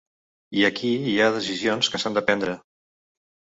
I aquí hi ha decisions que s’han de prendre.